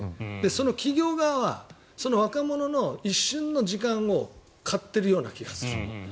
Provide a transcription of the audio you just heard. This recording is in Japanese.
その企業側は若者の一瞬の時間を買ってるような気がする。